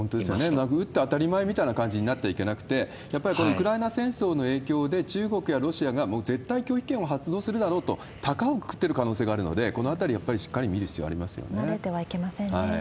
なんか撃って当たり前みたいな感じになっちゃいけなくて、やっぱりこのウクライナ戦争の影響で、中国やロシアが、もう絶対拒否権を発動するだろうと、たかをくくってる可能性があるので、このあたり、やっぱりしっか慣れてはいけませんよね。